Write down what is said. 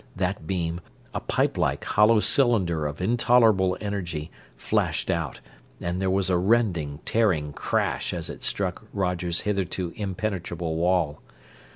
That beam, a pipe like hollow cylinder of intolerable energy, flashed out, and there was a rending, tearing crash as it struck Roger's hitherto impenetrable wall.